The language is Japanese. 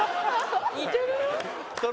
似てるよ。